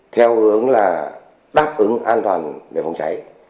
theo hướng là đáp ứng an toàn về phòng cháy